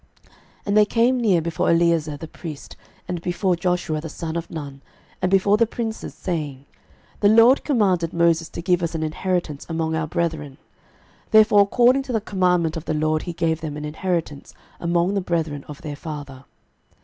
06:017:004 And they came near before Eleazar the priest, and before Joshua the son of Nun, and before the princes, saying, The LORD commanded Moses to give us an inheritance among our brethren. Therefore according to the commandment of the LORD he gave them an inheritance among the brethren of their father.